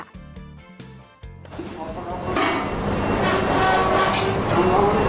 โห